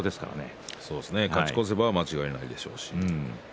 勝ち越せば間違いないですね。